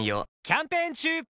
キャンペーン中！